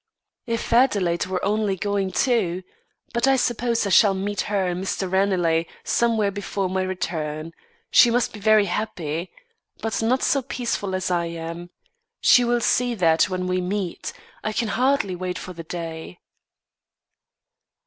"If Adelaide were only going, too! But I suppose I shall meet her and Mr. Ranelagh somewhere before my return. She must be very happy. But not so peaceful as I am. She will see that when we meet. I can hardly wait for the day."